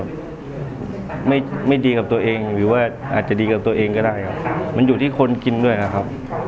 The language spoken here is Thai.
มันไม่ดีกับตัวเองหรือว่าอาจจะดีกับตัวเองก็ได้ครับมันอยู่ที่คนกินด้วยนะครับ